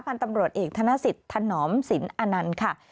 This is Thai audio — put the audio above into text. พันธุ์ตำรวจเอกทนาศิษย์ธนศิลป์อนันตร์ค่ะ